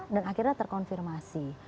dan akhirnya terkonfirmasi